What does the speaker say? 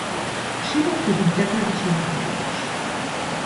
ხშირად დიდი მწერლების შემოქმედებაში.